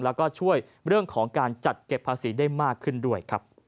แล้วก็ช่วยเรื่องของการจัดเก็บภาษีได้มากขึ้นด้วยครับ